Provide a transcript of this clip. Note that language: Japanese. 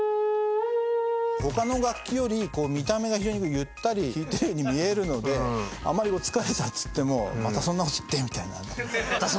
他の楽器より見た目が非常にゆったり弾いてるように見えるのであまり「もう疲れた」っつっても「またそんな事言って」。